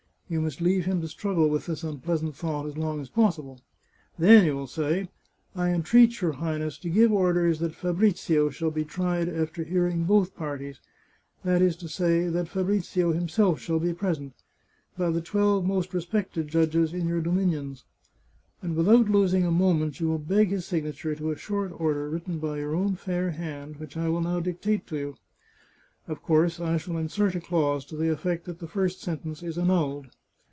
You must leave him to struggle with this unpleasant thought as long as possible. Then you will say :' I entreat your Highness to give orders that Fabrizio shall be tried after hearing both parties — that is to say, that Fabrizio him self shall be present — by the twelve most respected judges in your dominions,' and without losing a moment you will beg his signature to a short order written by your own fair hand, which I will now dictate to you. Of course I shall insert a clause to the effect that the first sentence is annulled.